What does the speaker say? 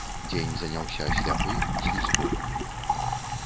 Дзень заняўся сляпы, слізготны.